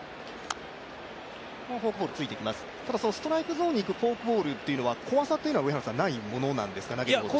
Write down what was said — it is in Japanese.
ストライクゾーンにいくフォークボールというのは怖さというのは、ないものなんですか、投げている方として。